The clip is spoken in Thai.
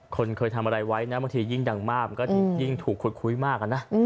คนเคยทำอะไรไว้นะบางทียิ่งดังมากมันก็ยิ่งถูกขุดคุยมากอะนะ